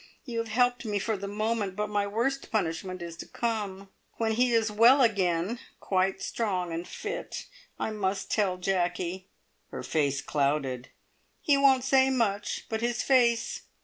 You have helped me for the moment, but my worst punishment is to come. When he is well again, quite strong and fit, I must tell Jacky!" Her face clouded. "He won't say much, but his face!